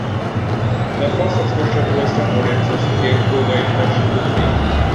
Their first exposure to Western audiences came through their introduction to the Beats.